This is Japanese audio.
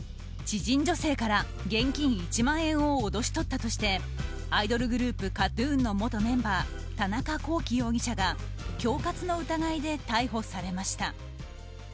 知人女性から現金１万円を脅し取ったとしてアイドルグループＫＡＴ‐ＴＵＮの元メンバー田中聖容疑者が恐喝の疑いで逮捕されました。